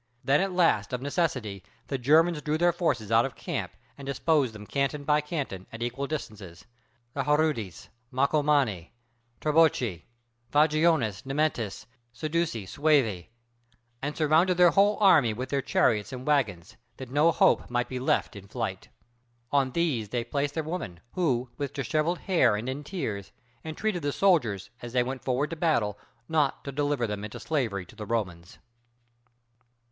Then at last of necessity the Germans drew their forces out of camp and disposed them canton by canton, at equal distances, the Harudes, Marcomanni, Tribocci, Vangiones, Nemetes, Sedusii, Suevi; and surrounded their whole army with their chariots and wagons, that no hope might be left in flight. On these they placed their women, who, with disheveled hair and in tears, entreated the soldiers, as they went forward to battle, not to deliver them into slavery to the Romans.